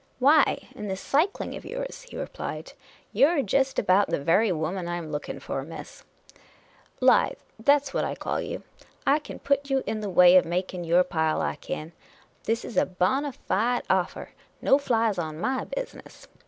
" Why, in this cycling of yours," he replied. " You 're jest about the very woman I 'm looking for, miss. Lithe — that 's what I call you. I kin put you in the way of making your pile, I kin. This is a bona Jide offer. No flies on my business!